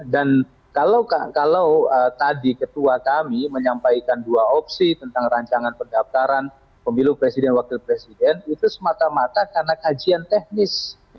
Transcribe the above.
dan kalau tadi ketua kami menyampaikan dua opsi tentang rancangan pendapatan pemilu presiden wakil presiden itu semata mata karena kajian teknis